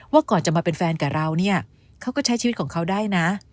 ก่อนจะมาเป็นแฟนกับเราเนี่ยเขาก็ใช้ชีวิตของเขาได้นะ